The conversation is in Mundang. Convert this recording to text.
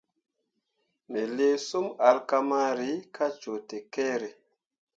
Me lii sum alkamari kah cuu tekere.